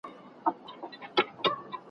زړې ژبې تاريخي ارزښت لري.